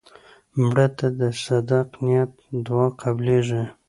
مړه ته د صدق نیت دعا قبلیږي